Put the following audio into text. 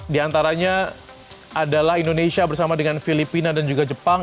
di antara indonesia bersama dengan filipina dan juga jepang